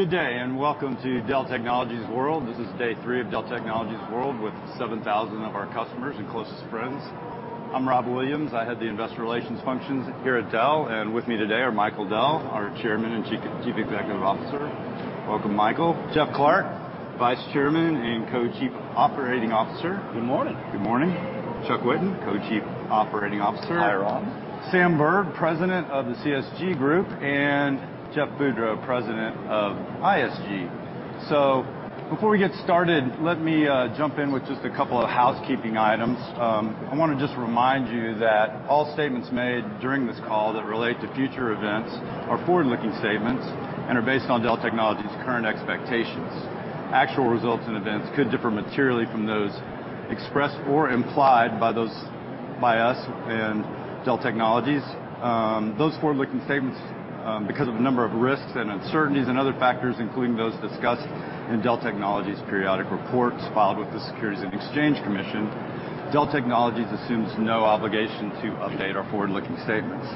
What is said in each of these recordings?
Good day, and Welcome to Dell Technologies World. This is day three of Dell Technologies World with 7,000 of our customers and closest friends. I'm Rob Williams. I head the investor relations functions here at Dell, and with me today are Michael Dell, our Chairman and Chief Executive Officer. Welcome, Michael. Jeff Clarke, Vice Chairman and Co-Chief Operating Officer. Good morning. Good morning. Chuck Whitten, Co-Chief Operating Officer. Hi, Rob. Sam Burd, president of the CSG Group, and Jeff Boudreau, president of ISG. Before we get started, let me jump in with just a couple of housekeeping items. I wanna just remind you that all statements made during this call that relate to future events are forward-looking statements and are based on Dell Technologies' current expectations. Actual results and events could differ materially from those expressed or implied by those, by us and Dell Technologies. Those forward-looking statements, because of a number of risks and uncertainties and other factors, including those discussed in Dell Technologies' periodic reports filed with the Securities and Exchange Commission, Dell Technologies assumes no obligation to update our forward-looking statements.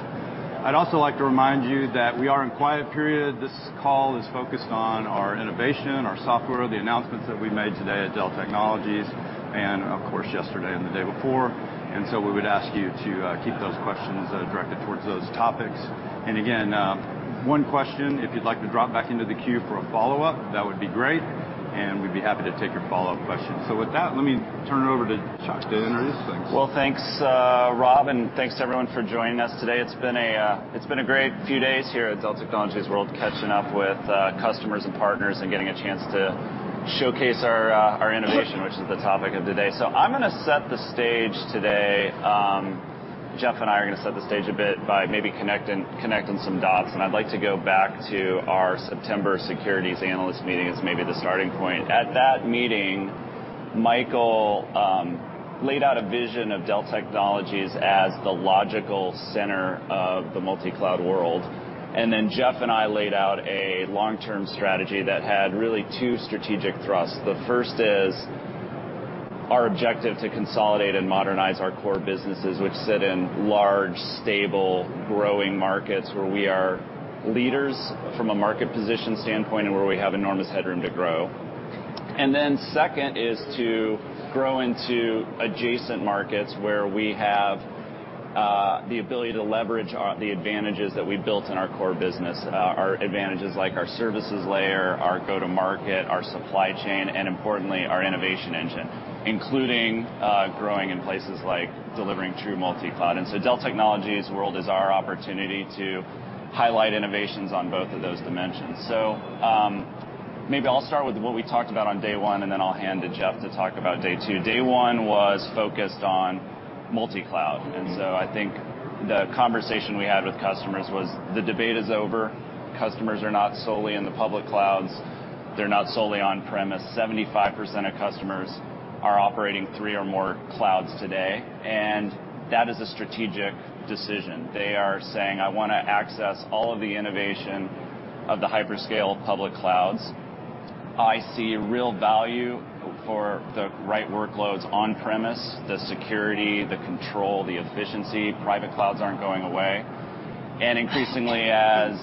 I'd also like to remind you that we are in quiet period. This call is focused on our innovation, our software, the announcements that we made today at Dell Technologies and, of course, yesterday and the day before. We would ask you to keep those questions directed towards those topics. One question, if you'd like to drop back into the queue for a follow-up, that would be great, and we'd be happy to take your follow-up question. With that, let me turn it over to Chuck to introduce things. Well, thanks, Rob, and thanks to everyone for joining us today. It's been a great few days here at Dell Technologies World catching up with customers and partners and getting a chance to showcase our innovation, which is the topic of the day. I'm gonna set the stage today. Jeff and I are gonna set the stage a bit by maybe connecting some dots, and I'd like to go back to our September securities analyst meeting as maybe the starting point. At that meeting, Michael laid out a vision of Dell Technologies as the logical center of the multi-cloud world, and then Jeff and I laid out a long-term strategy that had really two strategic thrusts. The first is our objective to consolidate and modernize our core businesses, which sit in large, stable, growing markets where we are leaders from a market position standpoint and where we have enormous headroom to grow. Second is to grow into adjacent markets where we have the ability to leverage our advantages that we built in our core business, our advantages like our services layer, our go-to-market, our supply chain, and importantly, our innovation engine, including growing in places like delivering true multi-cloud. Dell Technologies World is our opportunity to highlight innovations on both of those dimensions. Maybe I'll start with what we talked about on day one, and then I'll hand to Jeff to talk about day two. Day one was focused on multi-cloud. Mm-hmm. I think the conversation we had with customers was the debate is over. Customers are not solely in the public clouds. They're not solely on-premise. 75% of customers are operating three or more clouds today, and that is a strategic decision. They are saying, "I wanna access all of the innovation of the hyperscale public clouds. I see real value for the right workloads on-premise, the security, the control, the efficiency." Private clouds aren't going away. Increasingly, as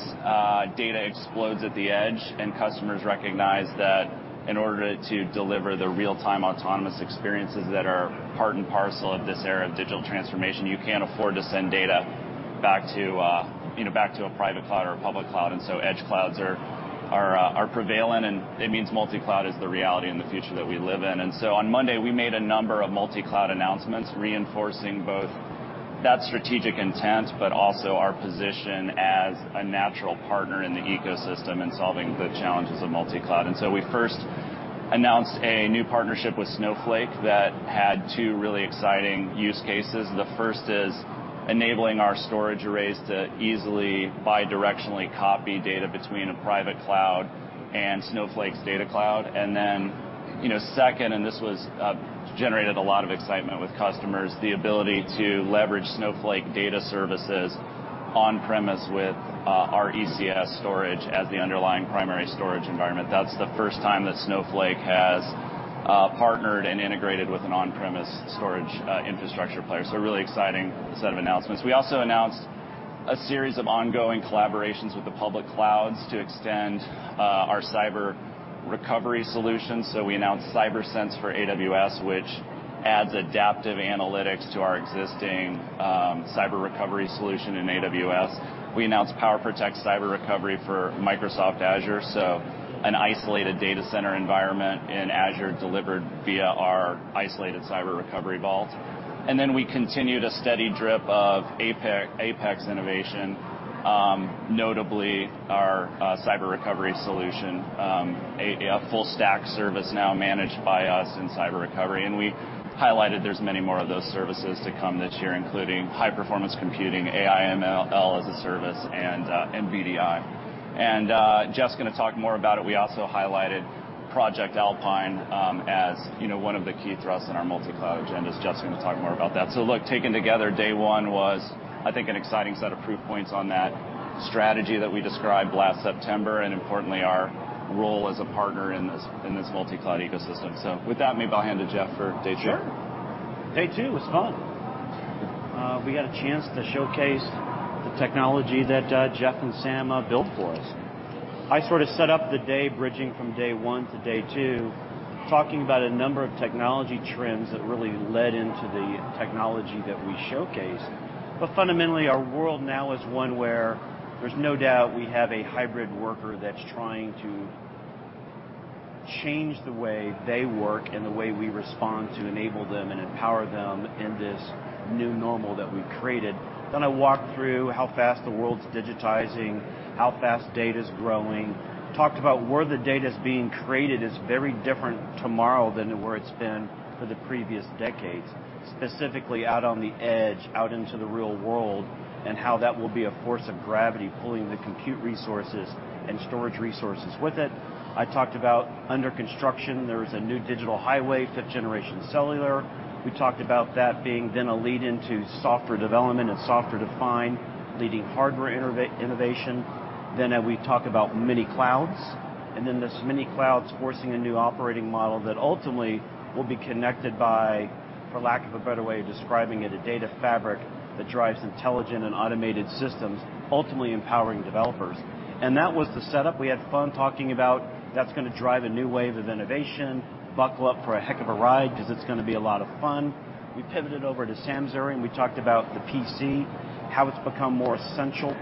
data explodes at the edge and customers recognize that in order to deliver the real-time autonomous experiences that are part and parcel of this era of digital transformation, you can't afford to send data back to, you know, back to a private cloud or a public cloud. Edge clouds are prevalent, and it means multi-cloud is the reality and the future that we live in. On Monday, we made a number of multi-cloud announcements reinforcing both that strategic intent but also our position as a natural partner in the ecosystem and solving the challenges of multi-cloud. We first announced a new partnership with Snowflake that had two really exciting use cases. The first is enabling our storage arrays to easily bidirectionally copy data between a private cloud and Snowflake's Data Cloud. And then, you know, second, and this was generated a lot of excitement with customers, the ability to leverage Snowflake data services on-premise with our storage as the underlying primary storage environment. That's the first time that Snowflake has partnered and integrated with an on-premises storage infrastructure player, so a really exciting set of announcements. We announced a series of ongoing collaborations with the public clouds to extend our cyber recovery solutions. We announced CyberSense for AWS, which adds adaptive analytics to our existing cyber recovery solution in AWS. We announced PowerProtect Cyber Recovery for Microsoft Azure, so an isolated data center environment in Azure delivered via our isolated cyber recovery vault. We continued a steady drip of APEX innovation, notably our cyber recovery solution, a full stack service now managed by us in cyber recovery. We highlighted there's many more of those services to come this year, including high-performance computing, AI, ML as a service, and VDI. Jeff's gonna talk more about it. We also highlighted Project Alpine, as, you know, one of the key thrusts in our multi-cloud agenda. Jeff's gonna talk more about that. Look, taken together, day one was, I think, an exciting set of proof points on that strategy that we described last September and importantly our role as a partner in this multi-cloud ecosystem. With that, maybe I'll hand to Jeff for day two. Sure. Day two was fun. We got a chance to showcase the technology that Jeff and Sam built for us. I sort of set up the day bridging from day one to day two, talking about a number of technology trends that really led into the technology that we showcased. Fundamentally, our world now is one where there's no doubt we have a hybrid worker that's trying to change the way they work and the way we respond to enable them and empower them in this new normal that we've created. I walked through how fast the world's digitizing, how fast data's growing. Talked about where the data's being created is very different tomorrow than where it's been for the previous decades, specifically out on the edge, out into the real world, and how that will be a force of gravity pulling the compute resources and storage resources with it. I talked about under construction, there is a new digital highway, Fifth Generation Cellular. We talked about that being then a lead-in to software development and software-defined leading hardware innovation. Then, we talked about mini clouds, and then those mini clouds forcing a new operating model that ultimately will be connected by, for lack of a better way of describing it, a data fabric that drives intelligent and automated systems, ultimately empowering developers. That was the setup. We had fun talking about that's going to drive a new wave of innovation. Buckle up for a heck of a ride 'cause it's going to be a lot of fun. We pivoted over to Sam's area, and we talked about the PC, how it's become more essential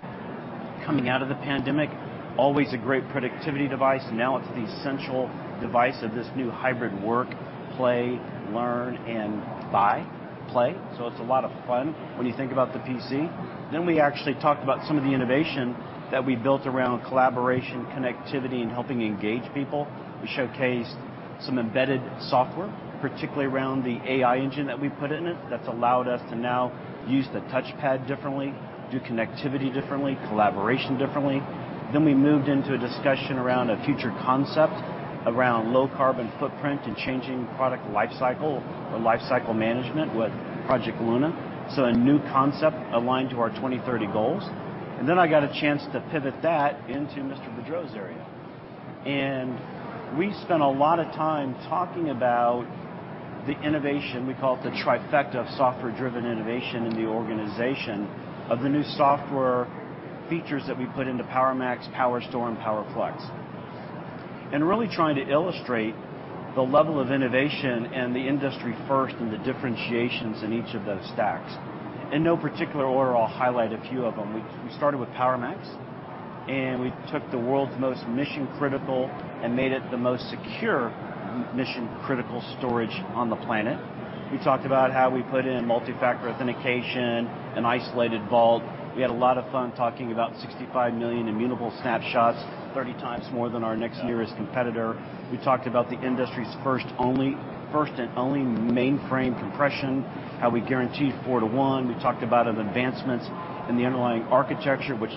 coming out of the pandemic. Always a great productivity device, now it's the essential device of this new hybrid work, play, learn, and buy play. It's a lot of fun when you think about the PC. We actually talked about some of the innovation that we built around collaboration, connectivity, and helping engage people. We showcased some embedded software, particularly around the AI engine that we put in it, that's allowed us to now use the touchpad differently, do connectivity differently, collaboration differently. We moved into a discussion around a future concept around low carbon footprint and changing product life cycle or life cycle management with Concept Luna, so a new concept aligned to our 2030 goals. I got a chance to pivot that into Mr. Boudreau's area. We spent a lot of time talking about the innovation we call the trifecta of software-driven innovation in the organization, of the new software features that we put into PowerMax, PowerStore, and PowerFlex. Really trying to illustrate the level of innovation and the industry firsts and the differentiations in each of those stacks. In no particular order, I'll highlight a few of them. We started with PowerMax, and we took the world's most mission-critical and made it the most secure mission critical storage on the planet. We talked about how we put in multi-factor authentication, an isolated vault. We had a lot of fun talking about 65 million immutable snapshots, 30x more than our next nearest competitor. We talked about the industry's first and only mainframe compression, how we guarantee 4:1. We talked about advancements in the underlying architecture, which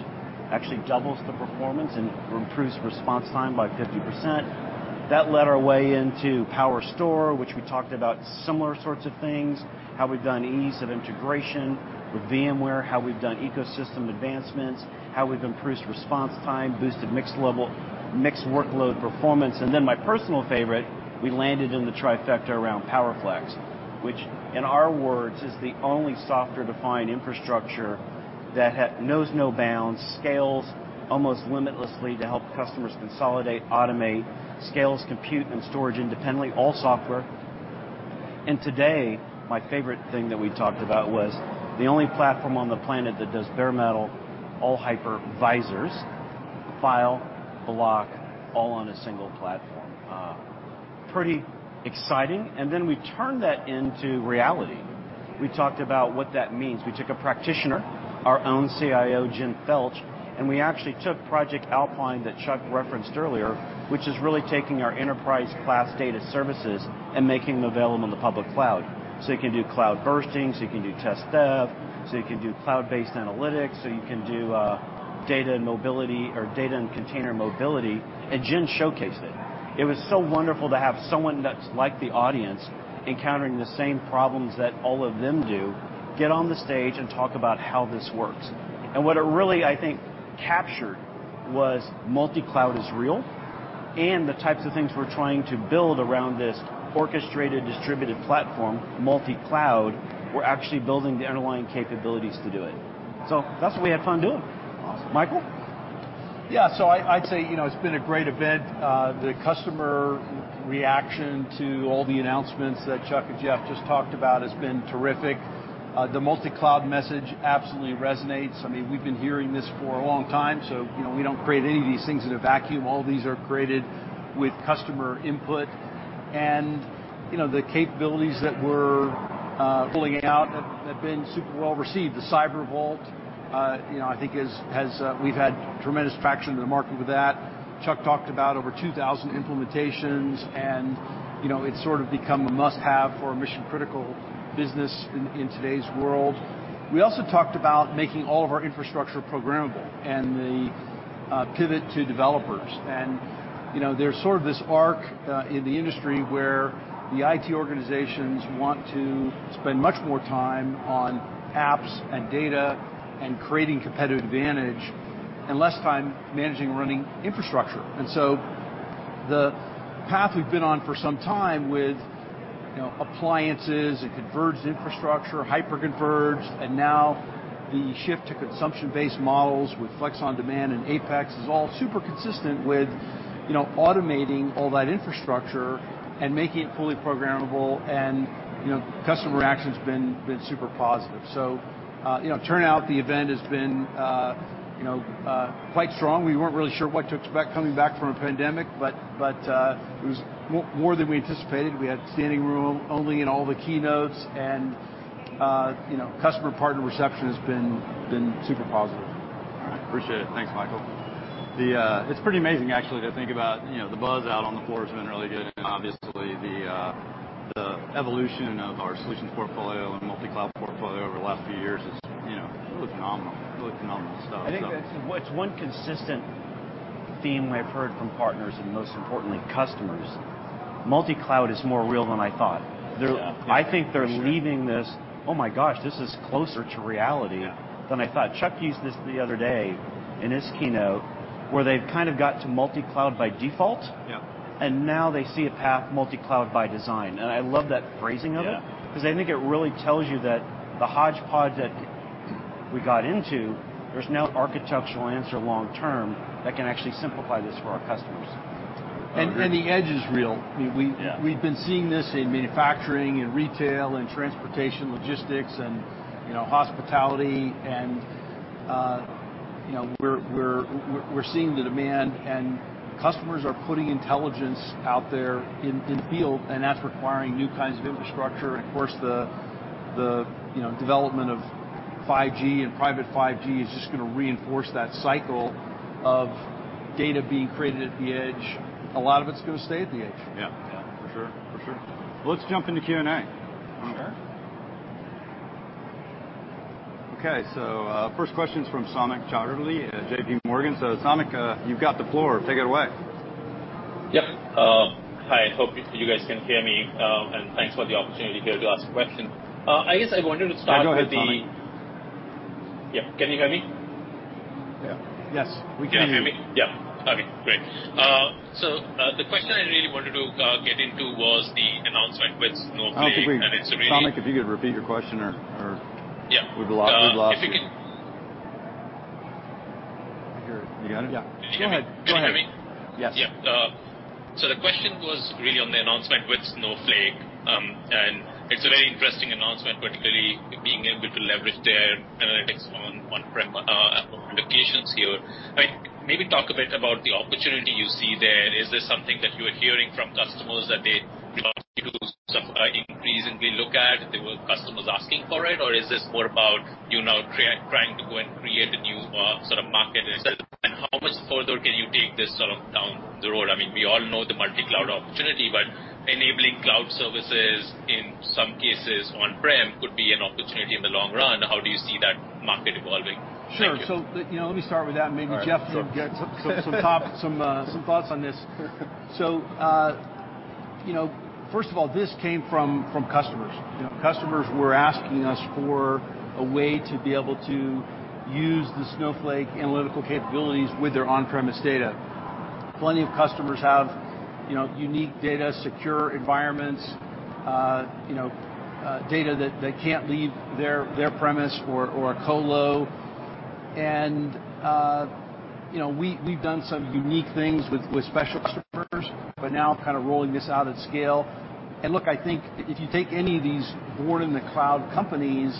actually doubles the performance and improves response time by 50%. That led our way into PowerStore, which we talked about similar sorts of things, how we've done ease of integration with VMware, how we've done ecosystem advancements, how we've improved response time, boosted mixed level, mixed workload performance. My personal favorite, we landed in the trifecta around PowerFlex, which, in our words, is the only software-defined infrastructure that knows no bounds, scales almost limitlessly to help customers consolidate, automate, scales compute and storage independently, all software. Today, my favorite thing that we talked about was the only platform on the planet that does bare metal, all hypervisors, file, block, all on a single platform. Pretty exciting. We turned that into reality. We talked about what that means. We took a practitioner, our own CIO, Jen Felch, and we actually took Project Alpine that Chuck referenced earlier, which is really taking our enterprise class data services and making them available on the public cloud. You can do cloud bursting, you can do test dev, you can do cloud-based analytics, you can do data mobility or data and container mobility, and Jen showcased it. It was so wonderful to have someone that's like the audience, encountering the same problems that all of them do, get on the stage and talk about how this works. What it really, I think, captured was multi-cloud is real, and the types of things we're trying to build around this orchestrated, distributed platform, multi-cloud, we're actually building the underlying capabilities to do it. That's what we had fun doing. Awesome. Michael? Yeah. I'd say, you know, it's been a great event. The customer reaction to all the announcements that Chuck and Jeff just talked about has been terrific. The multi-cloud message absolutely resonates. I mean, we've been hearing this for a long time, you know, we don't create any of these things in a vacuum. All these are created with customer input. You know, the capabilities that we're rolling out have been super well-received. The Cyber Vault, you know, I think. We've had tremendous traction in the market with that. Chuck talked about over 2,000 implementations and, you know, it's sort of become a must-have for a mission-critical business in today's world. We also talked about making all of our infrastructure programmable and the pivot to developers. You know, there's sort of this arc in the industry where the IT organizations want to spend much more time on apps and data and creating competitive advantage and less time managing and running infrastructure. The path we've been on for some time with you know, appliances and converged infrastructure, hyperconverged, and now the shift to consumption-based models with APEX Flex On Demand is all super consistent with you know, automating all that infrastructure and making it fully programmable. You know, customer adoption's been super positive. You know, turnout, the event has been quite strong. We weren't really sure what to expect coming back from a pandemic, but it was more than we anticipated. We had standing room only in all the keynotes and you know, customer-partner reception has been super positive. All right. Appreciate it. Thanks, Michael. It's pretty amazing actually to think about, you know, the buzz out on the floor has been really good, and obviously the evolution of our solutions portfolio and multi-cloud portfolio over the last few years is, you know, really phenomenal. Really phenomenal stuff. I think what's one consistent theme I've heard from partners and most importantly customers, "multi-cloud is more real than I thought." They're Yeah. For sure. I think they're leaving this, "Oh my gosh, this is closer to reality. Yeah than I thought." Chuck used this the other day in his keynote where they've kind of got to multi-cloud by default. Yeah. Now they see a path to multi-cloud by design, and I love that phrasing of it. Yeah. 'Cause I think it really tells you that the hodgepodge that we got into, there's now architectural answer long term that can actually simplify this for our customers. The edge is real. Yeah We've been seeing this in manufacturing, in retail, in transportation, logistics, and, you know, hospitality and, you know, we're seeing the demand. Customers are putting intelligence out there in field, and that's requiring new kinds of infrastructure. Of course the development of 5G and private 5G is just gonna reinforce that cycle of data being created at the edge. A lot of it's gonna stay at the edge. Yeah. Yeah. For sure. Well, let's jump into Q&A. Sure. Okay. First question's from Samik Chatterjee at JPMorgan. Samik, you've got the floor. Take it away. Yep. Hi. Hope you guys can hear me. Thanks for the opportunity here to ask a question. I guess I wanted to start with the I know it, Samik. Yeah. Can you hear me? Yeah. Yes. We can hear you. Can you hear me? Yeah. Okay, great. The question I really wanted to get into was the announcement with Snowflake, and it's a really I don't think Samik, if you could repeat your question or. Yeah We've lost you. If you can I hear. You got it? Yeah. Go ahead. Can you hear me? Yes. Yeah. The question was really on the announcement with Snowflake. It's a very interesting announcement, particularly being able to leverage their analytics on on-prem applications here. Maybe talk a bit about the opportunity you see there. Is this something that you are hearing from customers that they want you to sort of increasingly look at? There were customers asking for it, or is this more about you now trying to go and create a new sort of market itself? How much further can you take this sort of down the road? I mean, we all know the multi-cloud opportunity, but enabling cloud services, in some cases on-prem, could be an opportunity in the long run. How do you see that market evolving? Thank you. Sure. You know, let me start with that and maybe. All right. Sure. Jeff can get some top thoughts on this. First of all, this came from customers. Customers were asking us for a way to be able to use the Snowflake analytical capabilities with their on-premises data. Plenty of customers have unique data, secure environments, data that can't leave their premises or a colo. We've done some unique things with special customers but now kind of rolling this out at scale. Look, I think if you take any of these born in the cloud companies,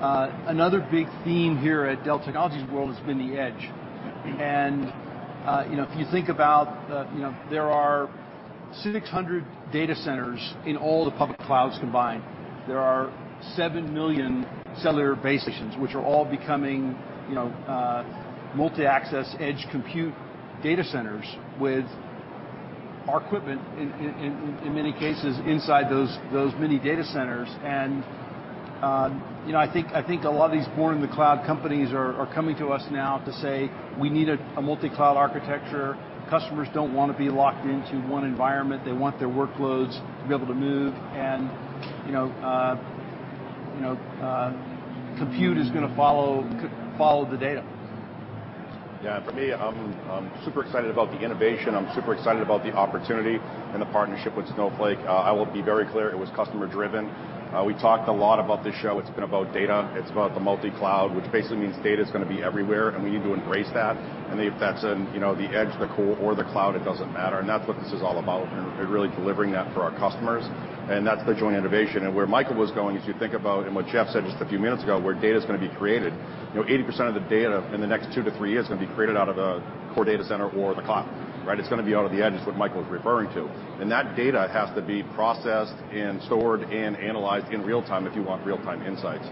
another big theme here at Dell Technologies World has been the edge. If you think about, there are 600 data centers in all the public clouds combined. There are 7 million cellular base stations which are all becoming multi-access edge compute data centers with our equipment in many cases inside those mini data centers. I think a lot of these born in the cloud companies are coming to us now to say, "We need a multi-cloud architecture." Customers don't wanna be locked into one environment. They want their workloads to be able to move, and compute is gonna follow the data. Yeah. For me, I'm super excited about the innovation. I'm super excited about the opportunity and the partnership with Snowflake. I will be very clear, it was customer driven. We talked a lot about this show. It's been about data. It's about the multi-cloud, which basically means data's gonna be everywhere, and we need to embrace that. If that's in, you know, the edge, the core, or the cloud, it doesn't matter, and that's what this is all about, and really delivering that for our customers. That's the joint innovation. Where Michael was going, if you think about, and what Jeff said just a few minutes ago, where data's gonna be created. You know, 80% of the data in the next two-three years is gonna be created out of a core data center or the cloud, right? It's gonna be out at the edge is what Michael was referring to. That data has to be processed and stored and analyzed in real time if you want real-time insights.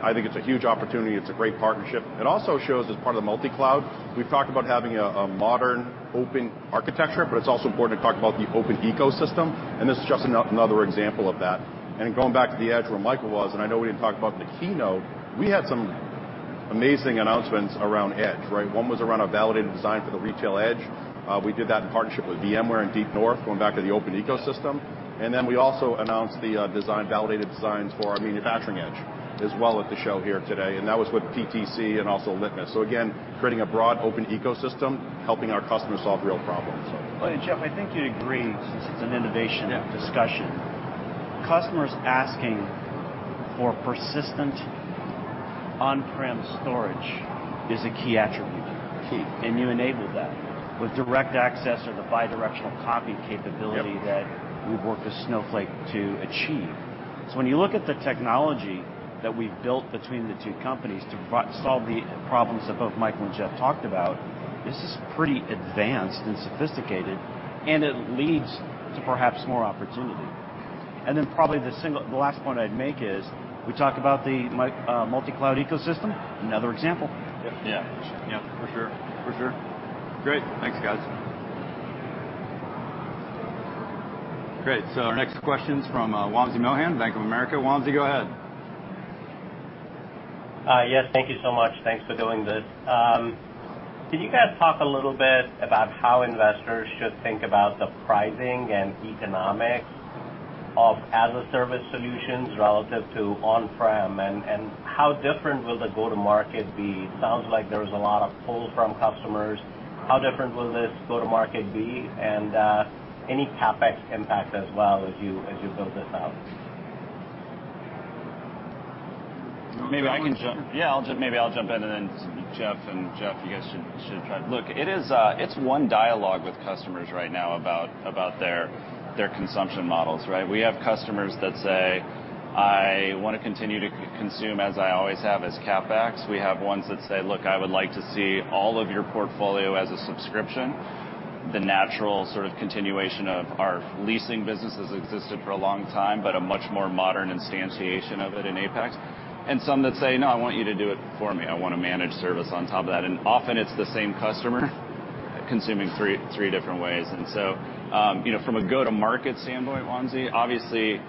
I think it's a huge opportunity. It's a great partnership. It also shows as part of the multi-cloud, we've talked about having a modern open architecture, but it's also important to talk about the open ecosystem, and this is just another example of that. Going back to the edge where Michael was, and I know we didn't talk about it in the keynote, we had some amazing announcements around edge, right? One was around a validated design for the retail edge. We did that in partnership with VMware and DeepNorth, going back to the open ecosystem. We also announced the design validated designs for our manufacturing edge as well at the show here today, and that was with PTC and also Litmos. Again, creating a broad open ecosystem, helping our customers solve real problems. Well, Jeff, I think you'd agree since it's an innovation. Yeah Discussion, Customers asking for persistent on-prem storage is a key attribute. Key. You enable that with direct access or the bi-directional copy capability. Yep. That we've worked with Snowflake to achieve. When you look at the technology that we've built between the two companies to solve the problems that both Michael and Jeff talked about, this is pretty advanced and sophisticated, and it leads to perhaps more opportunity. Then probably the last point I'd make is we talk about the multi-cloud ecosystem, another example. Yeah. Yeah. For sure. Great. Thanks, guys. Great. Our next question is from Wamsi Mohan, Bank of America. Wamsi, go ahead. Yes, thank you so much. Thanks for doing this. Can you guys talk a little bit about how investors should think about the pricing and economics of as-a-service solutions relative to on-prem? How different will the go-to-market be? It sounds like there's a lot of pull from customers. How different will this go-to-market be? Any CapEx impact as well as you build this out? Maybe I can jump. Do you want to? Yeah, maybe I'll jump in, and then Jeff and Jeff, you guys should try. Look, it is, it's one dialogue with customers right now about their consumption models, right? We have customers that say, "I wanna continue to consume as I always have as CapEx." We have ones that say, "Look, I would like to see all of your portfolio as a subscription." The natural sort of continuation of our leasing business has existed for a long time, but a much more modern instantiation of it in APEX. Some that say, "No, I want you to do it for me. I want a managed service on top of that." Often it's the same customer consuming three different ways. From a go-to-market standpoint, Wamsi, obviously,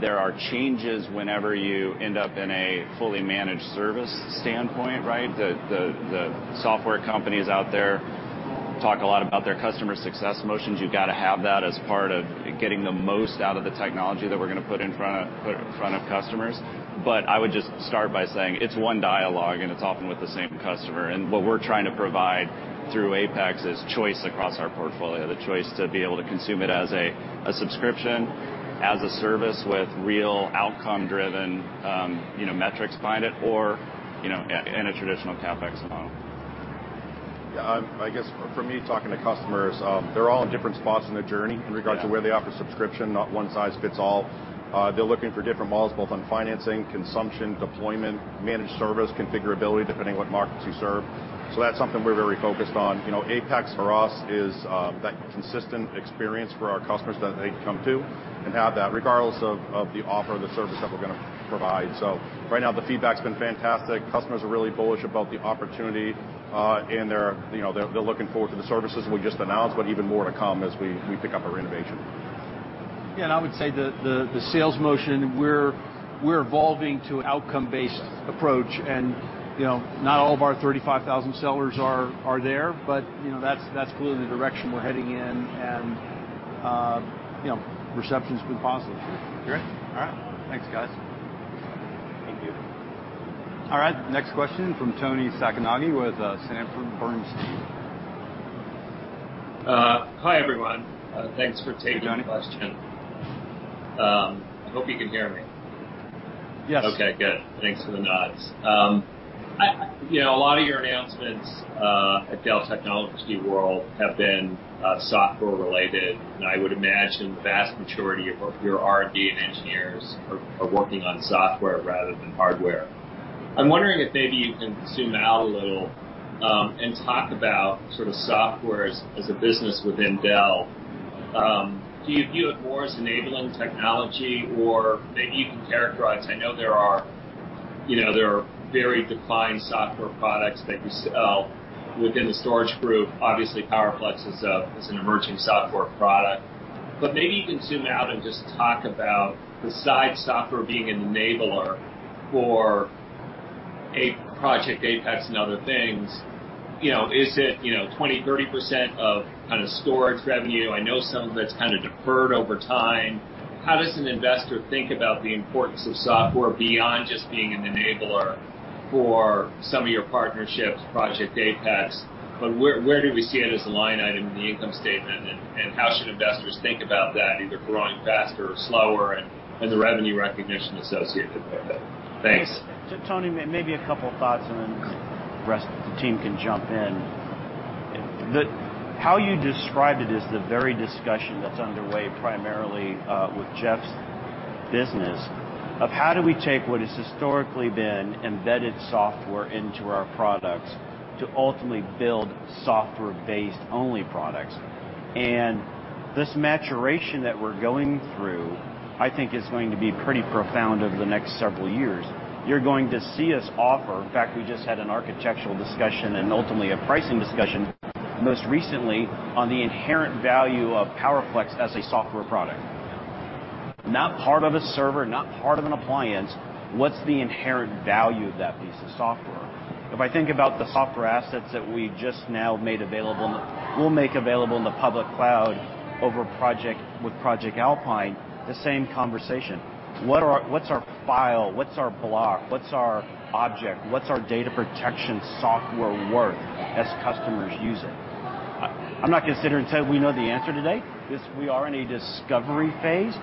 there are changes whenever you end up in a fully managed service standpoint, right? The software companies out there talk a lot about their customer success motions. You've gotta have that as part of getting the most out of the technology that we're gonna put in front of customers. I would just start by saying it's one dialogue, and it's often with the same customer. What we're trying to provide through APEX is choice across our portfolio, the choice to be able to consume it as a subscription, as a service with real outcome-driven metrics behind it or in a traditional CapEx model. Yeah. I guess for me, talking to customers, they're all in different spots in their journey. Yeah. In regards to where they offer subscription. Not one size fits all. They're looking for different models both on financing, consumption, deployment, managed service, configurability, depending on what markets you serve. That's something we're very focused on. You know, APEX for us is that consistent experience for our customers that they can come to and have that regardless of the offer or the service that we're gonna provide. Right now, the feedback's been fantastic. Customers are really bullish about the opportunity. They're, you know, looking forward to the services we just announced, but even more to come as we pick up our innovation. Yeah, I would say the sales motion we're evolving to outcome-based approach. You know, not all of our 35,000 sellers are there, but you know, that's clearly the direction we're heading in. You know, reception's been positive. Great. All right. Thanks, guys. Thank you. All right. Next question from Toni Sacconaghi with Sanford C. Bernstein. Hi, everyone. Thanks for taking the question. Hey, Toni. I hope you can hear me. Yes. Okay, good. Thanks for the nods. You know, a lot of your announcements at Dell Technologies World have been software related, and I would imagine the vast majority of your R&D and engineers are working on software rather than hardware. I'm wondering if maybe you can zoom out a little and talk about sort of software as a business within Dell. Do you view it more as enabling technology, or maybe you can characterize. I know, you know, there are very defined software products that you sell within the storage group. Obviously, PowerFlex is an emerging software product. But maybe you can zoom out and just talk about besides software being an enabler for a Project APEX and other things, you know, is it, you know, 20%-30% of kind of storage revenue? I know some of that's kind of deferred over time. How does an investor think about the importance of software beyond just being an enabler for some of your partnerships, Project APEX? Where do we see it as a line item in the income statement, and how should investors think about that either growing faster or slower and the revenue recognition associated with it? Thanks. Yes. Toni, maybe a couple thoughts, and then the rest of the team can jump in. How you described it is the very discussion that's underway primarily with Jeff's business of how do we take what has historically been embedded software into our products to ultimately build software-based only products. This maturation that we're going through, I think, is going to be pretty profound over the next several years. You're going to see us offer, in fact, we just had an architectural discussion and ultimately a pricing discussion most recently on the inherent value of PowerFlex as a software product. Not part of a server, not part of an appliance. What's the inherent value of that piece of software? If I think about the software assets that we'll make available in the public cloud with Project Alpine, the same conversation. What's our file, what's our block, what's our object, what's our data protection software worth as customers use it? I'm not gonna sit here and say we know the answer today. We are in a discovery phase.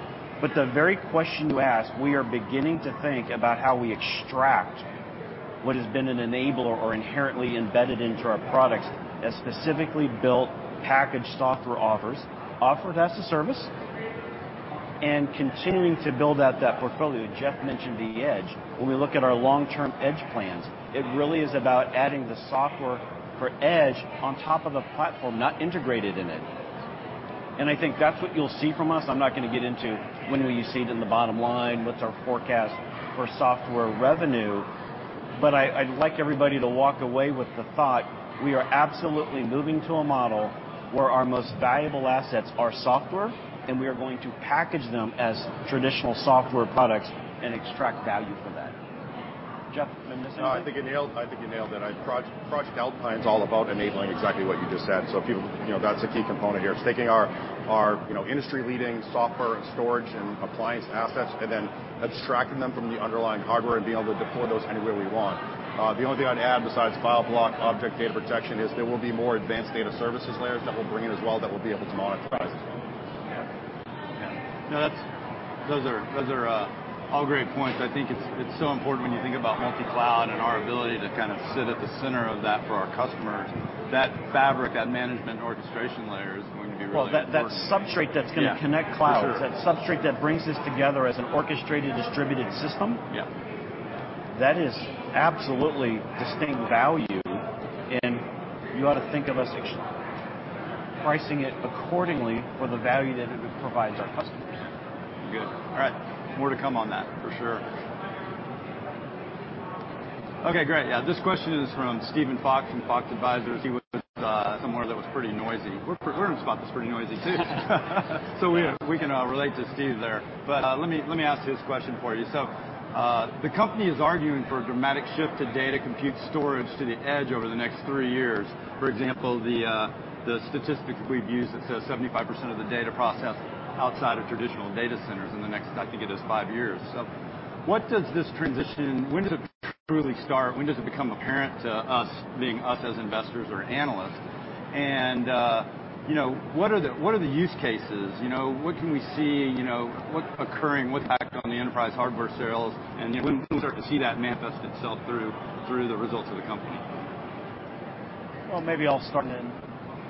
The very question you asked, we are beginning to think about how we extract what has been an enabler or inherently embedded into our products as specifically built packaged software offerings offered as a service, and continuing to build out that portfolio. Jeff mentioned the edge. When we look at our long-term edge plans, it really is about adding the software for edge on top of a platform, not integrated in it. I think that's what you'll see from us. I'm not gonna get into when will you see it in the bottom line, what's our forecast for software revenue? I'd like everybody to walk away with the thought, we are absolutely moving to a model where our most valuable assets are software, and we are going to package them as traditional software products and extract value for that. Jeff, am I missing anything? No, I think you nailed it. Project Alpine's all about enabling exactly what you just said. You know, that's a key component here. It's taking our you know, industry-leading software and storage and appliance assets, and then abstracting them from the underlying hardware and being able to deploy those anywhere we want. The only thing I'd add besides file, block, object data protection is there will be more advanced data services layers that we'll bring in as well that we'll be able to monetize as well. Yeah. Yeah. No, those are all great points. I think it's so important when you think about multi-cloud and our ability to kind of sit at the center of that for our customers. That fabric, that management orchestration layer is going to be really important. Well, that substrate that's gonna Yeah connect clouds For sure. That substrate that brings this together as an orchestrated, distributed system. Yeah That is absolutely distinct value. You ought to think of us pricing it accordingly for the value that it provides our customers. Yeah. Good. All right. More to come on that. For sure. Okay, great. Yeah, this question is from Steven Fox from Fox Advisors. He was somewhere that was pretty noisy. We're in a spot that's pretty noisy too. We can relate to Steve there. Let me ask his question for you. The company is arguing for a dramatic shift to data compute storage to the edge over the next three years. For example, the statistics we've used that says 75% of the data processed outside of traditional data centers in the next, I think it is, five years. What does this transition, when does it truly start? When does it become apparent to us, being us as investors or analysts? You know, what are the use cases? You know, what can we see, you know, what's occurring? What's the impact on the enterprise hardware sales? When do we start to see that manifest itself through the results of the company? Well, maybe I'll start. Happy to jump in.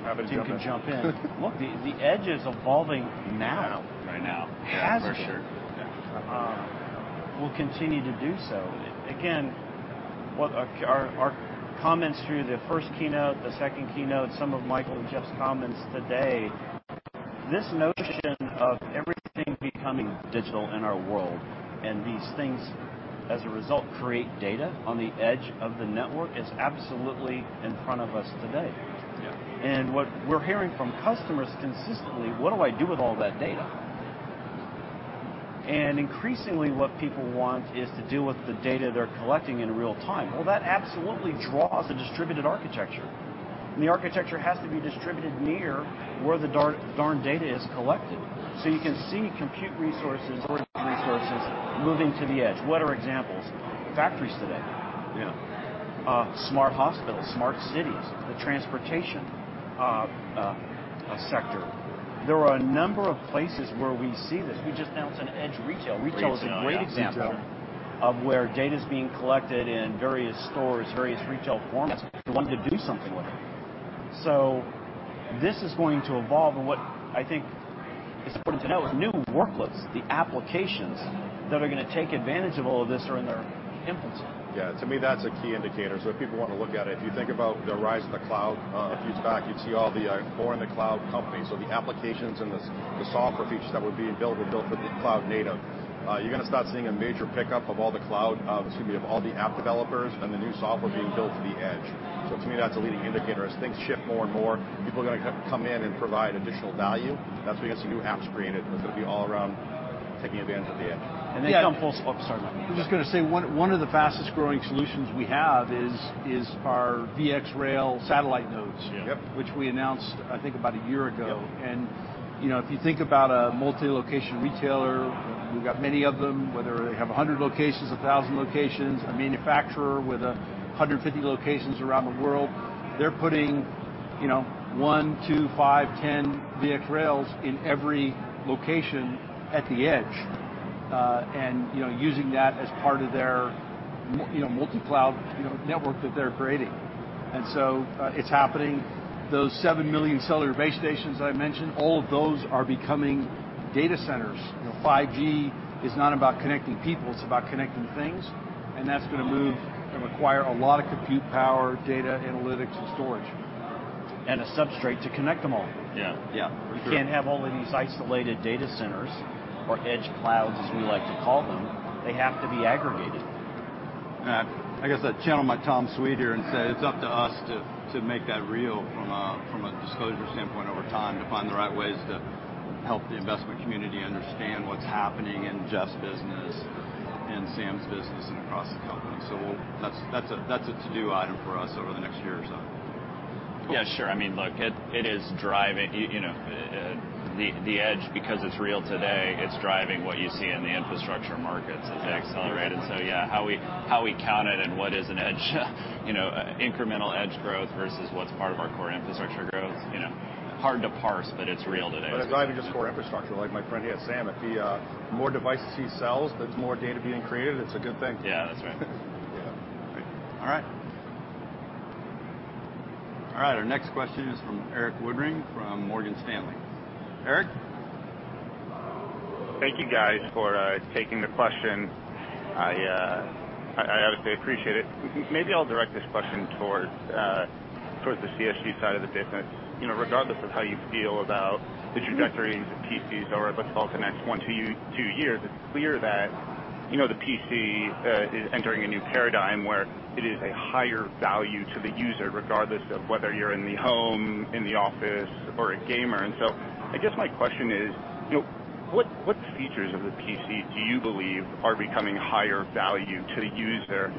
Team can jump in. Look, the edge is evolving now. Right now. As is. For sure. Yeah. Will continue to do so. Again, what our comments through the first keynote, the second keynote, some of Michael and Jeff's comments today, this notion of everything becoming digital in our world, and these things, as a result, create data on the edge of the network, is absolutely in front of us today. Yeah. What we're hearing from customers consistently, "What do I do with all that data?" Increasingly, what people want is to deal with the data they're collecting in real time. Well, that absolutely draws a distributed architecture, and the architecture has to be distributed near where the darn data is collected. You can see compute resources, storage resources moving to the edge. What are examples? Factories today. Yeah. Smart hospitals, smart cities, the transportation sector. There are a number of places where we see this. We just announced an Edge Retail. Retail's a great example. Edge in retail. Of where data's being collected in various stores, various retail formats. They're wanting to do something with it. This is going to evolve. What I think is important to know is new workloads, the applications that are gonna take advantage of all of this are in their infancy. Yeah, to me, that's a key indicator. If people wanna look at it, if you think about the rise of the cloud, if you look back, you'd see all the born in the cloud companies. The applications and the software features that were being built were built for the cloud native. You're gonna start seeing a major pickup of all the app developers and the new software being built for the edge. To me, that's a leading indicator. As things shift more and more, people are gonna come in and provide additional value. That's where you're gonna see new apps created, and it's gonna be all around taking advantage of the edge. And then. Yeah Sorry, Michael. I was just gonna say, one of the fastest growing solutions we have is our VxRail satellite nodes. Yeah. Yep which we announced, I think, about a year ago. Yep. You know, if you think about a multi-location retailer, we've got many of them, whether they have 100 locations, 1,000 locations, a manufacturer with 150 locations around the world, they're putting, you know, one, two, five, 10 VxRails in every location at the edge, and, you know, using that as part of their multi-cloud, you know, network that they're creating. It's happening. Those 7 million cellular base stations that I mentioned, all of those are becoming data centers. You know, 5G is not about connecting people, it's about connecting things, and that's gonna move and require a lot of compute power, data, analytics, and storage. A substrate to connect them all. Yeah. Yeah. For sure. You can't have all of these isolated data centers or edge clouds, as we like to call them. They have to be aggregated. I guess I'd channel my Tom Sweet here and say it's up to us to make that real from a disclosure standpoint over time, to find the right ways to help the investment community understand what's happening in Jeff's business and Sam's business and across the company. We'll. That's a to-do item for us over the next year or so. Yeah, sure. I mean, look, it is driving, you know, the edge because it's real today, it's driving what you see in the infrastructure markets as they accelerate. Yeah. Yeah, how we count it and what is an edge, you know, incremental edge growth versus what's part of our core infrastructure growth, you know, hard to parse, but it's real today. It's not even just core infrastructure. Like my friend here, Sam, if he, the more devices he sells, there's more data being created, it's a good thing. Yeah, that's right. Yeah. Great. All right. All right, our next question is from Erik Woodring from Morgan Stanley. Eric? Thank you guys for taking the question. I honestly appreciate it. Maybe I'll direct this question towards the CSG side of the business. You know, regardless of how you feel about the trajectory. Mm-hmm. Of PCs over, let's call it, the next one to two years, it's clear that, you know, the PC is entering a new paradigm where it is a higher value to the user, regardless of whether you're in the home, in the office or a gamer. I guess my question is, you know, what features of the PC do you believe are becoming higher value to the user?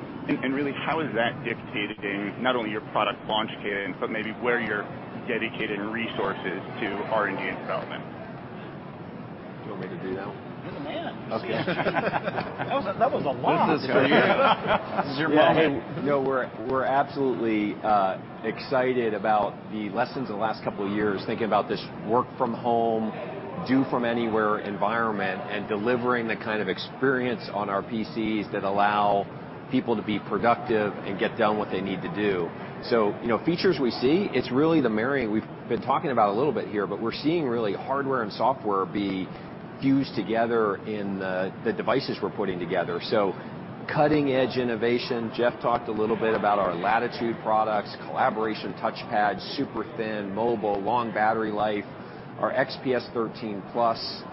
Really how is that dictating not only your product launch cadence, but maybe where you're dedicating resources to R&D and development? Do you want me to do that one? You're the man. Okay. That was a lot. This is for you. This is your moment. Yeah. Okay. You know, we're absolutely excited about the lessons of the last couple of years, thinking about this work from home, do from anywhere environment, and delivering the kind of experience on our PCs that allow people to be productive and get done what they need to do. You know, features we see, it's really the marrying we've been talking about a little bit here. We're seeing really hardware and software be fused together in the devices we're putting together. Cutting-edge innovation, Jeff talked a little bit about our Latitude products, collaboration touch pad, super thin, mobile, long battery life. Our XPS 13 Plus,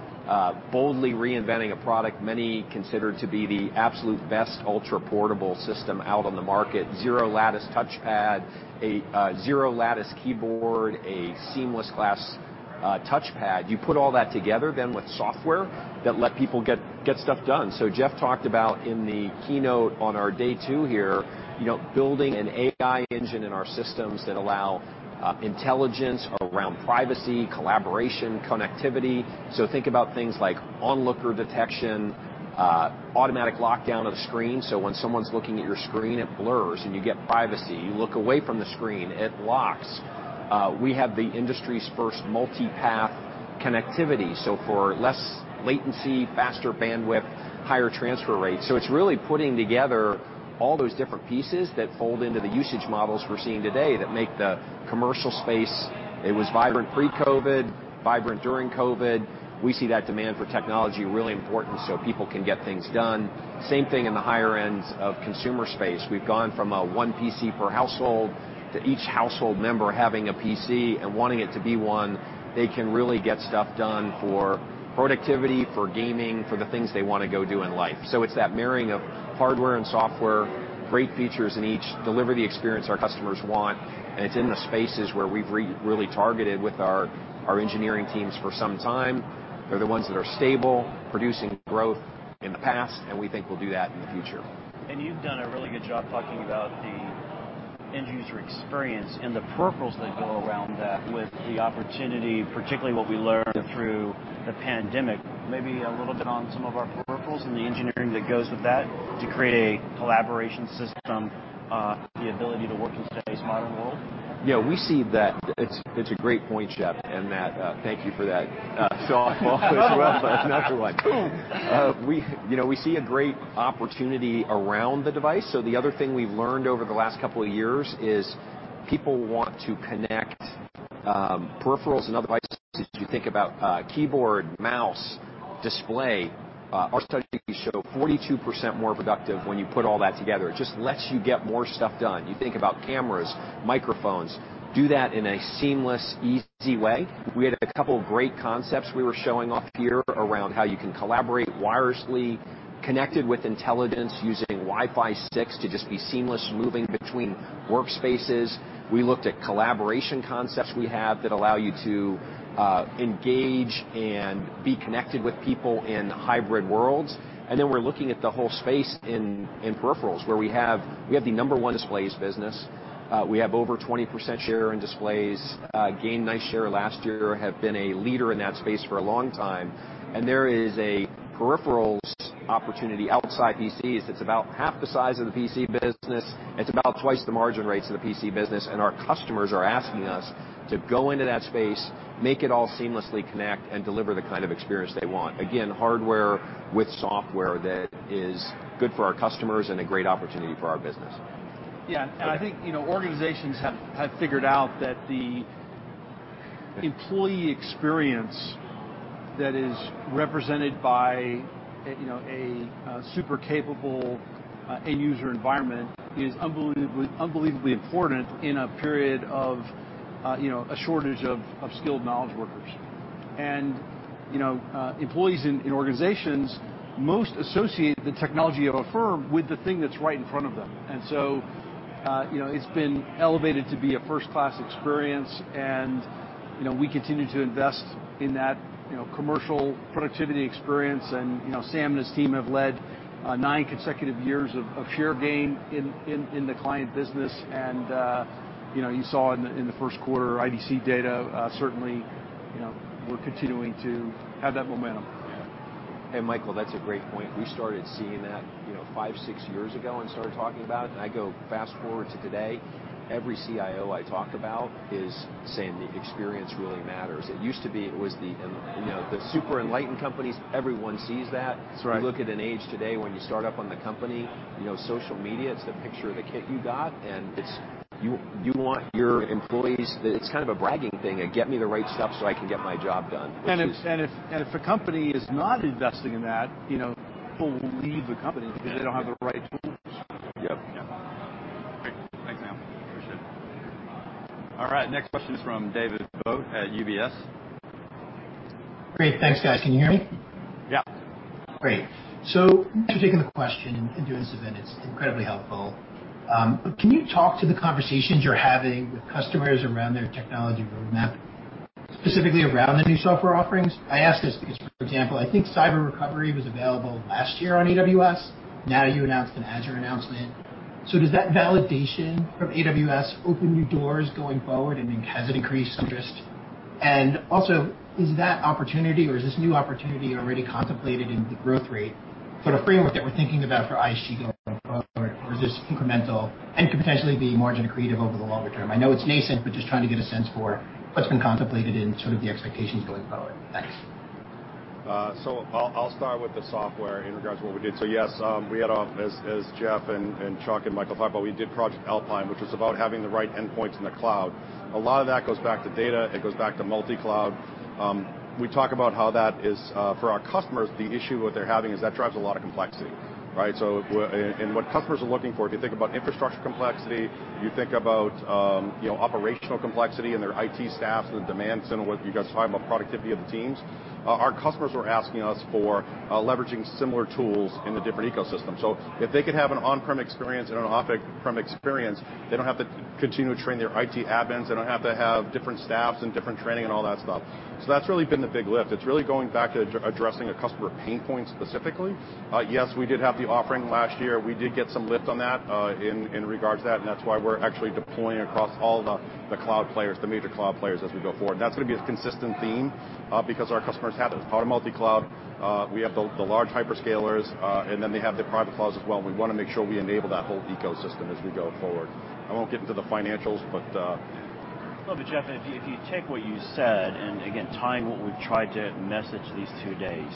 boldly reinventing a product many consider to be the absolute best ultraportable system out on the market. Zero-lattice touch pad, a zero-lattice keyboard, a seamless glass touch pad. You put all that together with software that let people get stuff done. Jeff talked about in the keynote on our day two here, you know, building an AI engine in our systems that allow intelligence around privacy, collaboration, connectivity. Think about things like onlooker detection, automatic lockdown of the screen, so when someone's looking at your screen, it blurs and you get privacy. You look away from the screen, it locks. We have the industry's first multipath connectivity, so for less latency, faster bandwidth, higher transfer rates. It's really putting together all those different pieces that fold into the usage models we're seeing today that make the commercial space. It was vibrant pre-COVID, vibrant during COVID. We see that demand for technology really important so people can get things done. Same thing in the higher ends of consumer space. We've gone from a one PC per household to each household member having a PC and wanting it to be one they can really get stuff done for productivity, for gaming, for the things they wanna go do in life. It's that marrying of hardware and software, great features in each, deliver the experience our customers want, and it's in the spaces where we've really targeted with our engineering teams for some time. They're the ones that are stable, producing growth in the past, and we think will do that in the future. You've done a really good job talking about the end user experience and the peripherals that go around that with the opportunity, particularly what we learned through the pandemic. Maybe a little bit on some of our peripherals and the engineering that goes with that to create a collaboration system, the ability to work in today's modern world. Yeah, we see that. It's a great point, Jeff, and Michael, thank you for that thought. Well put, number one. Boom. You know, we see a great opportunity around the device. The other thing we've learned over the last couple of years is people want to connect peripherals and other devices. You think about keyboard, mouse, display. Our studies show 42% more productive when you put all that together. It just lets you get more stuff done. You think about cameras, microphones. Do that in a seamless, easy way. We had a couple of great concepts we were showing off here around how you can collaborate wirelessly, connected with intelligence using Wi-Fi 6 to just be seamless moving between workspaces. We looked at collaboration concepts we have that allow you to engage and be connected with people in hybrid worlds. We're looking at the whole space in peripherals, where we have the number one displays business. We have over 20% share in displays. Gained nice share last year. Have been a leader in that space for a long time. There is a peripherals opportunity outside PCs that's about half the size of the PC business, it's about twice the margin rates of the PC business, and our customers are asking us to go into that space, make it all seamlessly connect, and deliver the kind of experience they want. Again, hardware with software that is good for our customers and a great opportunity for our business. Yeah. I think, you know, organizations have figured out that the employee experience that is represented by a, you know, a super capable end user environment is unbelievably important in a period of, you know, a shortage of skilled knowledge workers. You know, employees in organizations most associate the technology of a firm with the thing that's right in front of them. You know, it's been elevated to be a first-class experience and, you know, we continue to invest in that, you know, commercial productivity experience. You know, Sam and his team have led nine consecutive years of share gain in the client business. You know, you saw in the first quarter, IDC data, certainly. You know, we're continuing to have that momentum. Yeah. Hey, Michael, that's a great point. We started seeing that, you know, 5-6 years ago and started talking about it. I go fast-forward to today, every CIO I talk to is saying the experience really matters. It used to be it was the, you know, the super enlightened companies. Everyone sees that. That's right. You look at a page today when you start at the company, you know, social media. It's the picture of the kit you got, and it's you. You want your employees. It's kind of a bragging thing of get me the right stuff so I can get my job done, which is? If a company is not investing in that, you know, people will leave the company. Yeah. because they don't have the right tools. Yep. Yeah. Great. Thanks, man. Appreciate it. All right, next question is from David Vogt at UBS. Great. Thanks, guys. Can you hear me? Yeah. Great. Thanks for taking the question and doing this event. It's incredibly helpful. Can you talk to the conversations you're having with customers around their technology roadmap, specifically around the new software offerings? I ask this because, for example, I think Cyber Recovery was available last year on AWS. Now you announced an Azure announcement. Does that validation from AWS open new doors going forward, and then has it increased interest? Also, is that opportunity or is this new opportunity already contemplated in the growth rate for the framework that we're thinking about for ISG going forward, or is this incremental and could potentially be margin-accretive over the longer term? I know it's nascent, but just trying to get a sense for what's been contemplated in sort of the expectations going forward. Thanks. I'll start with the software in regards to what we did. Yes, we had, as Jeff Clarke and Chuck Whitten and Michael Dell talked about, we did Project Alpine, which was about having the right endpoints in the cloud. A lot of that goes back to data. It goes back to multi-cloud. We talk about how that is for our customers, the issue what they're having is that drives a lot of complexity, right? What customers are looking for, if you think about infrastructure complexity, you think about, you know, operational complexity and their IT staff and the demands and what you guys talk about, productivity of the teams, our customers are asking us for leveraging similar tools in the different ecosystems. If they could have an on-prem experience and an off-prem experience, they don't have to continue to train their IT admins. They don't have to have different staffs and different training and all that stuff. That's really been the big lift. It's really going back to addressing a customer pain point specifically. Yes, we did have the offering last year. We did get some lift on that, in regards to that, and that's why we're actually deploying across all the cloud players, the major cloud players as we go forward. That's gonna be a consistent theme, because our customers have it. Part of multi-cloud, we have the large hyperscalers, and then they have the private clouds as well. We wanna make sure we enable that whole ecosystem as we go forward. I won't get into the financials, but. Love to, Jeff, if you take what you said, and again, tying what we've tried to message these two days,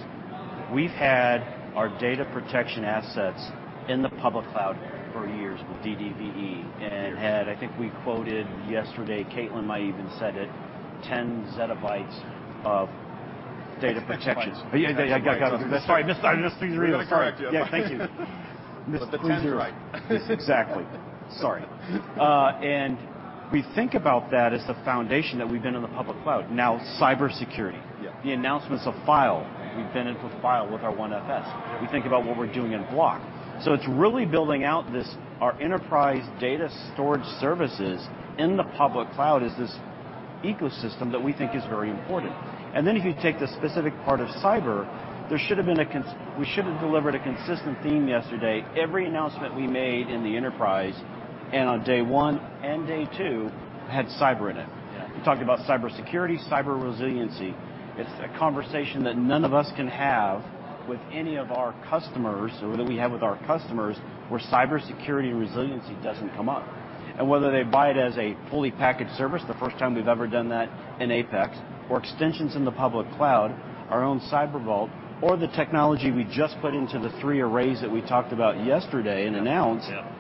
we've had our data protection assets in the public cloud for years with DDVE. Yes. I think we quoted yesterday. Caitlin might even said it, 10 ZB of data protection. Exabytes. Yeah. I got it. Sorry, missed that. Missed something. Really sorry. You gotta correct, Jeff. Yeah. Thank you. The 10's right. Exactly. Sorry. We think about that as the foundation that we've been in the public cloud. Now, cybersecurity. Yeah. The announcements of File. Yeah. We've been into file with our OneFS. We think about what we're doing in block. It's really building out this, our enterprise data storage services in the public cloud is this ecosystem that we think is very important. Then if you take the specific part of cyber, we should have delivered a consistent theme yesterday. Every announcement we made in the enterprise and on day one and day two had cyber in it. Yeah. We talked about cybersecurity, cyber resiliency. It's a conversation that none of us can have with any of our customers or that we have with our customers where cybersecurity resiliency doesn't come up. Whether they buy it as a fully packaged service, the first time we've ever done that in APEX, or extensions in the public cloud, our own Cyber Vault, or the technology we just put into the three arrays that we talked about yesterday and announced. Yeah.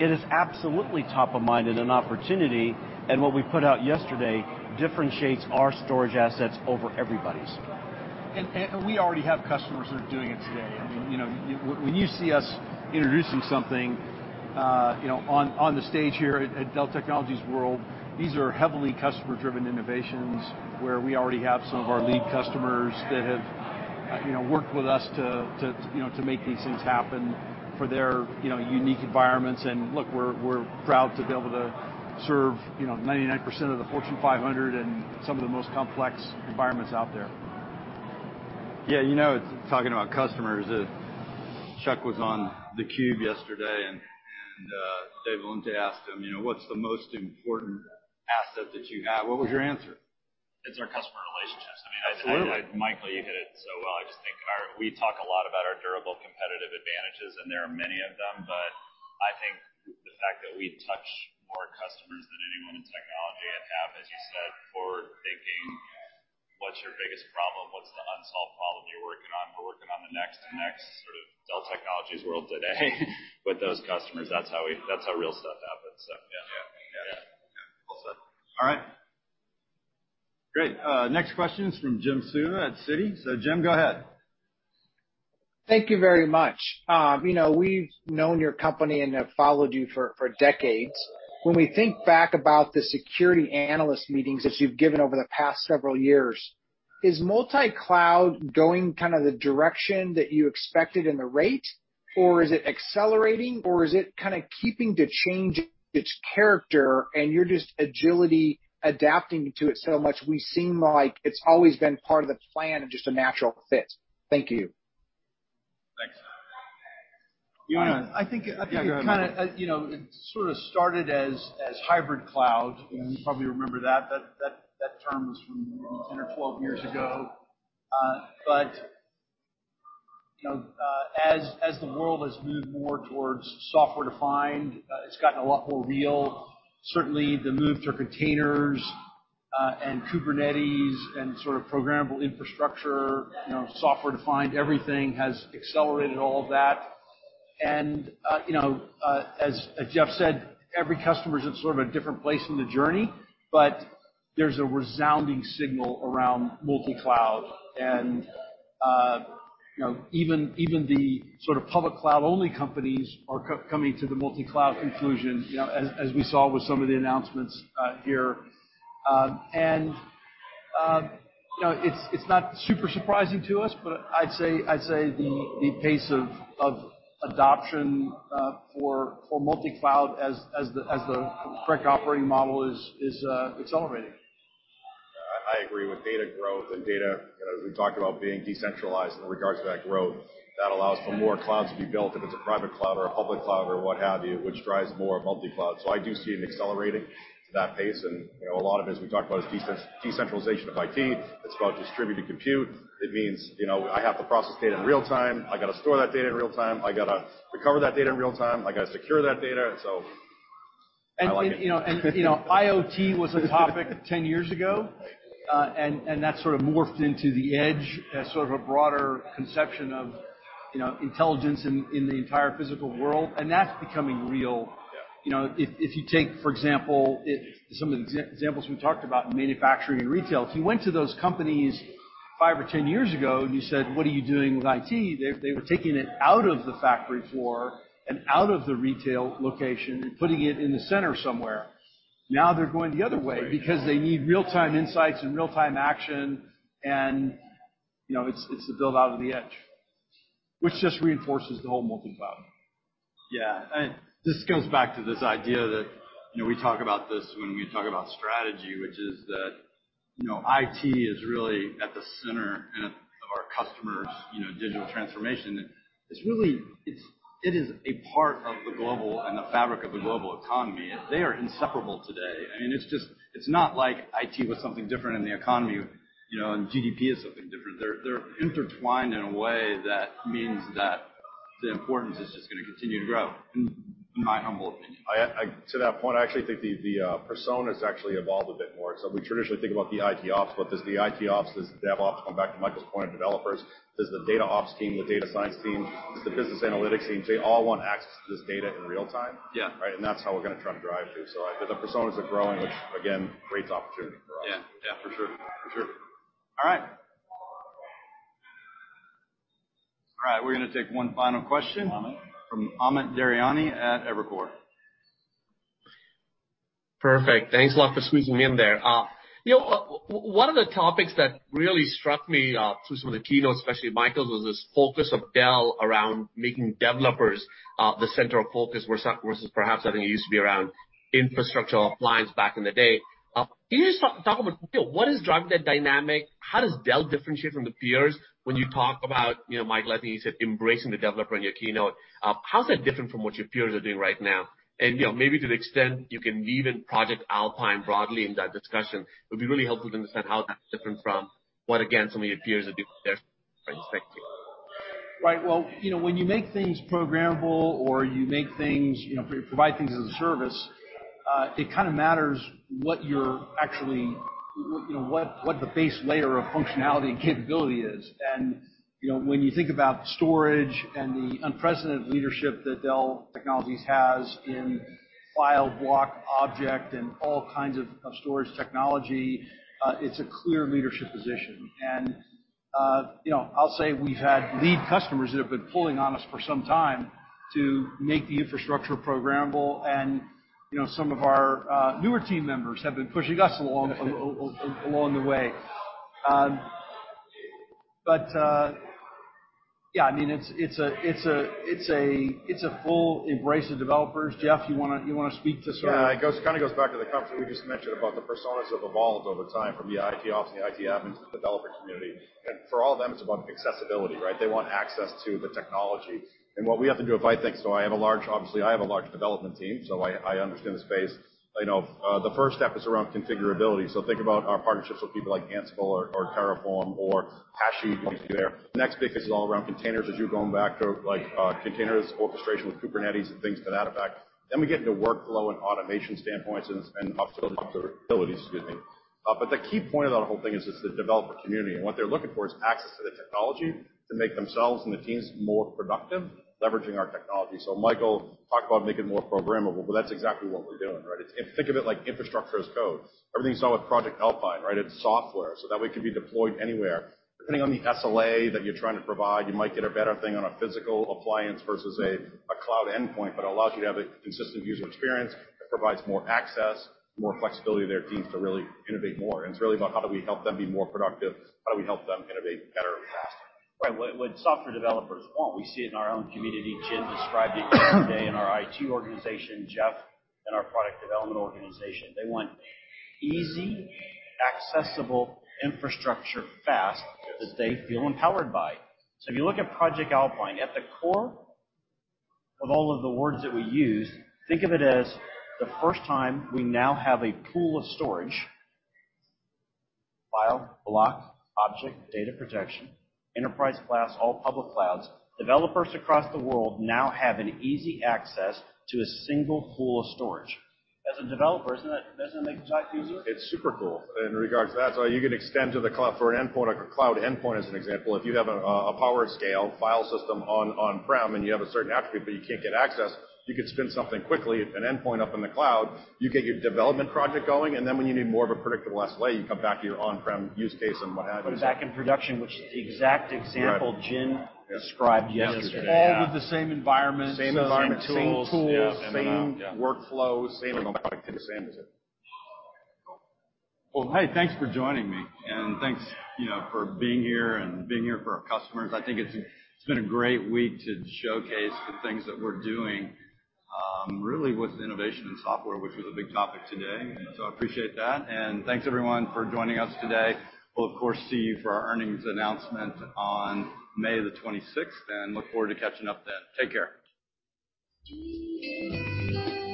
It is absolutely top of mind and an opportunity, and what we put out yesterday differentiates our storage assets over everybody's. We already have customers that are doing it today. I mean, you know, when you see us introducing something, you know, on the stage here at Dell Technologies World, these are heavily customer-driven innovations where we already have some of our lead customers that have, you know, worked with us to make these things happen for their, you know, unique environments. Look, we're proud to be able to serve, you know, 99% of the Fortune 500 in some of the most complex environments out there. Yeah. You know, talking about customers, Chuck was on theCUBE yesterday, and Dave Vellante asked him, you know, "What's the most important asset that you have?" What was your answer? It's our customer relationships. I mean, Absolutely. Michael, you hit it so well. I just think we talk a lot about our durable competitive advantages, and there are many of them. I think the fact that we touch more customers than anyone in technology and have, as you said, forward-thinking, what's your biggest problem? What's the unsolved problem you're working on? We're working on the next sort of Dell Technologies World today with those customers. That's how real stuff happens. Yeah. Yeah. Yeah. Well said. All right. Great. Next question is from Jim Suva at Citi. Jim, go ahead. Thank you very much. You know, we've known your company and have followed you for decades. When we think back about the securities analyst meetings that you've given over the past several years, is multi-cloud going kind of the direction that you expected at the rate? Or is it accelerating, or is it kind of continuing to change its character and you're just agilely adapting to it so much we seem like it's always been part of the plan and just a natural fit? Thank you. You know, I think it kind of, you know, it sort of started as hybrid cloud. You probably remember that term was from 10-12 years ago. But, you know, as the world has moved more towards software-defined, it's gotten a lot more real. Certainly, the move to containers and Kubernetes and sort of programmable infrastructure, you know, software-defined everything has accelerated all of that. You know, as Jeff said, every customer is at sort of a different place in the journey, but there's a resounding signal around multi-cloud. You know, even the sort of public cloud-only companies are coming to the multi-cloud conclusion, you know, as we saw with some of the announcements here. You know, it's not super surprising to us, but I'd say the pace of adoption for multi-cloud as the correct operating model is accelerating. I agree with data growth and data, you know, as we talked about being decentralized in regards to that growth, that allows for more clouds to be built if it's a private cloud or a public cloud or what have you, which drives more multi-cloud. I do see it accelerating to that pace. You know, a lot of it, as we talked about, is decentralization of IT. It's about distributed compute. It means, you know, I have to process data in real-time. I got to store that data in real-time. I got to recover that data in real-time. I got to secure that data. I like it. You know, IoT was a topic 10 years ago, and that sort of morphed into the edge as sort of a broader conception of, you know, intelligence in the entire physical world, and that's becoming real. Yeah. You know, if you take, for example, some of the examples we talked about in manufacturing and retail, if you went to those companies 5-10 years ago, and you said, "What are you doing with IT?" They were taking it out of the factory floor and out of the retail location and putting it in the center somewhere. Now they're going the other way because they need real-time insights and real-time action, and you know, it's the build-out of the edge, which just reinforces the whole multi-cloud. Yeah. This goes back to this idea that, you know, we talk about this when we talk about strategy, which is that, you know, IT is really at the center and of our customers', you know, digital transformation. It's really, it is a part of the global economy and the fabric of the global economy. They are inseparable today. I mean, it's just, it's not like IT was something different in the economy, you know, and GDP is something different. They're intertwined in a way that means that the importance is just going to continue to grow, in my humble opinion. To that point, I actually think the personas actually evolved a bit more. We traditionally think about the IT ops, but there's the IT ops, there's dev ops, going back to Michael's point of developers. There's the data ops team, the data science team, there's the business analytics team. They all want access to this data in real time. Yeah. Right? That's how we're going to try and drive through. I think the personas are growing, which again creates opportunity for us. Yeah. For sure. All right, we're gonna take one final question. Amit. from Amit Daryanani at Evercore. Perfect. Thanks a lot for squeezing me in there. You know, one of the topics that really struck me through some of the keynotes, especially Michael's, was this focus of Dell around making developers the center of focus where some versus perhaps I think it used to be around infrastructural appliance back in the day. Can you just talk about, you know, what is driving that dynamic? How does Dell differentiate from the peers when you talk about, you know, Michael, I think you said embracing the developer in your keynote. How's that different from what your peers are doing right now? You know, maybe to the extent you can weave in Project Alpine broadly in that discussion, it'd be really helpful to understand how that's different from what, again, some of your peers are doing there from perspective. Right. Well, you know, when you make things programmable or you make things, you know, provide things as a service, it kinda matters what you're actually, you know, what the base layer of functionality and capability is. You know, when you think about storage and the unprecedented leadership that Dell Technologies has in file, block, object, and all kinds of storage technology, it's a clear leadership position. You know, I'll say we've had lead customers that have been pulling on us for some time to make the infrastructure programmable. You know, some of our newer team members have been pushing us along the way. Yeah, I mean, it's a full embrace of developers. Jeff, you wanna speak to sort of? Yeah, it kinda goes back to the comment we just mentioned about the personas have evolved over time from the IT ops and the IT admins to the developer community. For all them, it's about accessibility, right? They want access to the technology. What we have to do, if I think so, I have a large development team, so I understand the space. You know, the first step is around configurability. Think about our partnerships with people like Ansible or Terraform or HashiCorp, you can see there. The next big is all around containers, as you're going back to, like, containers, orchestration with Kubernetes and things to that effect. We get into workflow and automation standpoints and observability. The key point of that whole thing is just the developer community, and what they're looking for is access to the technology to make themselves and the teams more productive, leveraging our technology. Michael talked about making it more programmable, but that's exactly what we're doing, right? Think of it like infrastructure as code. Everything you saw with Project Alpine, right? It's software, so that way it can be deployed anywhere. Depending on the SLA that you're trying to provide, you might get a better thing on a physical appliance versus a cloud endpoint, but it allows you to have a consistent user experience. It provides more access, more flexibility to their teams to really innovate more. It's really about how do we help them be more productive? How do we help them innovate better and faster? Right. What software developers want, we see it in our own community. Jen described it yesterday in our IT organization, Jeff, in our product development organization. They want easy, accessible infrastructure fast that they feel empowered by. If you look at Project Alpine, at the core of all of the words that we use, think of it as the first time we now have a pool of storage, file, block, object, data protection, enterprise class, all public clouds. Developers across the world now have an easy access to a single pool of storage. As a developer, isn't that, doesn't that make you happy? It's super cool in regards to that. You can extend to the cloud for an endpoint or cloud endpoint as an example. If you have a PowerScale file system on-prem and you have a certain attribute, but you can't get access, you could spin something quickly at an endpoint up in the cloud, you get your development project going, and then when you need more of a predictable SLA, you come back to your on-prem use case and what have you. Put it back in production, which is the exact example. Right. Jen described yesterday. Yeah. All with the same environment. Same environment. Same tools. Same tools. Yeah. Same amount, yeah. Same workflows. Same amount. Same as it. Hey, thanks for joining me, and thanks, you know, for being here for our customers. I think it's been a great week to showcase the things that we're doing really with innovation in software, which was a big topic today. I appreciate that. Thanks everyone for joining us today. We'll of course see you for our earnings announcement on May 26, and look forward to catching up then. Take care.